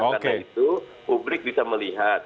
karena itu publik bisa melihat